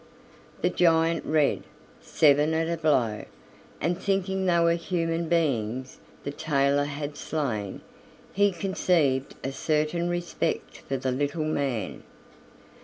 The giant read: "Seven at a blow"; and thinking they were human beings the tailor had slain, he conceived a certain respect for the little man.